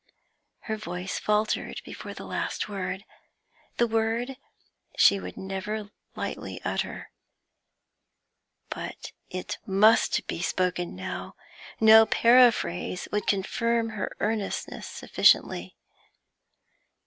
Her voice faltered before the last word, the word she would never lightly utter. But it must be spoken now; no paraphrase would confirm her earnestness sufficiently.